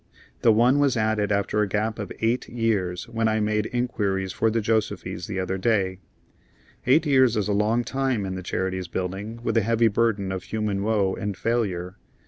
That one was added after a gap of eight years when I made inquiries for the Josefys the other day. Eight years is a long time in the Charities Buildings with a heavy burden of human woe and failure.